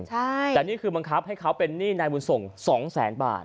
เรื่องหนึ่งใช่แต่นี่คือบังคับให้เขาเป็นหนี้นายบุญส่ง๒แสนบาท